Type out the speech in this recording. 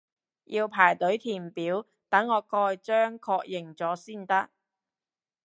要排隊填表等我蓋章確認咗先得